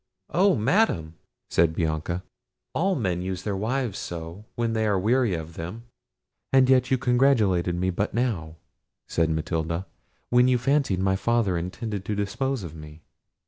"Oh! Madam," said Bianca, "all men use their wives so, when they are weary of them." "And yet you congratulated me but now," said Matilda, "when you fancied my father intended to dispose of me!"